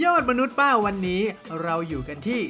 มนุษย์ป้าวันนี้เราอยู่กันที่